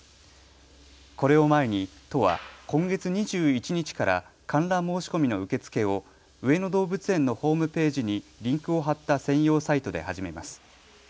これを前に都は今月２１日から観覧申し込みの受け付けを上野動物園のホームページにリンクを張った専用サイトで始めます。